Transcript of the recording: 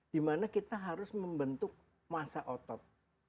dimana kita harus membentuk masa otot